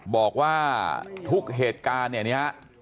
บอกว่าทุกเหตุการณ์เนี่ยนะฮะ